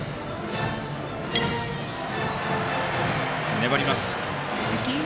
粘ります。